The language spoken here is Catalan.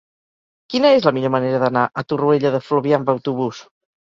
Quina és la millor manera d'anar a Torroella de Fluvià amb autobús?